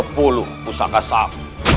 sepuluh pusaka saham